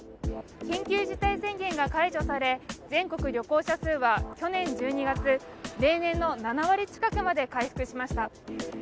緊急事態宣言が解除され、全国旅行者数は去年１２月、例年の７割近くまで回復しました。